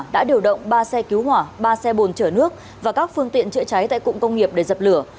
đã điều động ba xe cứu hỏa ba xe bồn chở nước và các phương tiện chữa cháy tại cụng công nghiệp để dập lửa